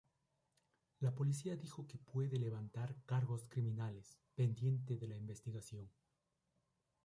La policía dijo que puede levantar cargos criminales, pendiente de la investigación.